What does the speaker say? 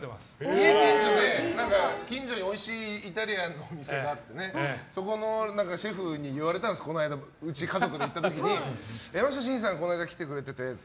家、近所で、近所のおいしいイタリアンがあってそこのシェフに言われたんですこの間、家族で行った時に山下真司さん、この間来てくれててって。